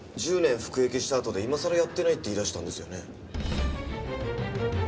１０年服役したあとで今さらやってないって言い出したんですよね。